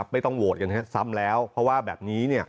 ไม่ต้องโหวตกันซ้ำแล้วเพราะว่าแบบนี้